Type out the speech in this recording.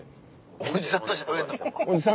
おじさんとしゃべんの？